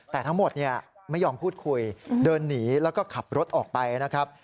แต่ทั้งหมดไม่ยอมพูดคุยเดินหนีแล้วก็ขับรถออกไปนะครับ